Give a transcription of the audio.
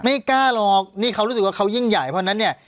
ไม่กล้าหรอกนี่เขารู้สึกว่าเขายิ่งใหญ่เพราะฉะนั้นเนี่ย